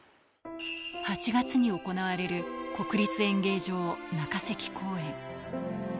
８月に行われる国立演芸場中席公演。